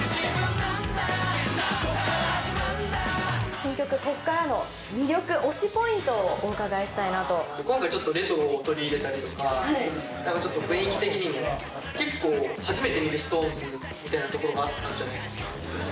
新曲、こっからの魅力、今回、ちょっとレトロを取り入れたりとか、ちょっと雰囲気的にも、結構、初めて見るＳｉｘＴＯＮＥＳみたいなところがあったんじゃないかなと。